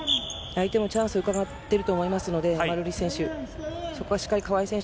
相手もチャンスをうかがってると思いますので、マルーリス選手。